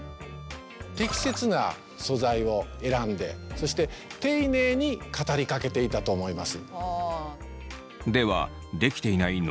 適切な素材を選んでそして丁寧に語りかけていたと思います。